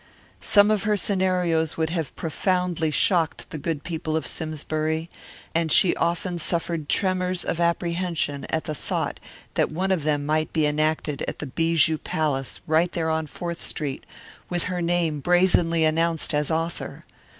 Some of her scenarios would have profoundly shocked the good people of Simsbury, and she often suffered tremors of apprehension at the thought that one of them might be enacted at the Bijou Palace right there on Fourth Street, with her name brazenly announced as author.